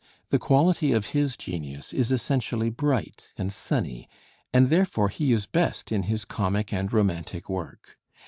The quality of his genius is essentially bright and sunny, and therefore he is best in his comic and romantic work.